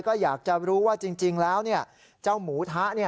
ก็อยากจะรู้ว่าจริงแล้วเจ้าหมูทะ